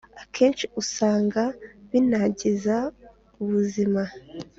akenshi usanga binangiza ubuzima.